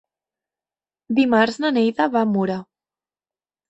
Dimarts na Neida va a Mura.